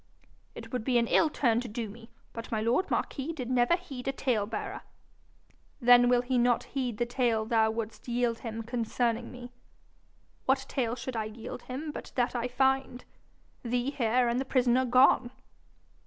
'It would be an ill turn to do me, but my lord marquis did never heed a tale bearer.' 'Then will he not heed the tale thou wouldst yield him concerning me.' 'What tale should I yield him but that I find thee here and the prisoner gone?'